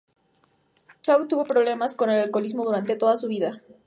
Tough tuvo problemas con el alcoholismo durante toda su vida.